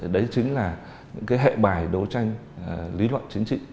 đấy chính là hệ bài đấu tranh lý luận chính trị